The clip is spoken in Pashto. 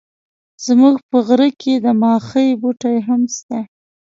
زموږ په غره کي د ماخۍ بوټي هم سته.